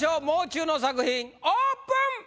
もう中の作品オープン！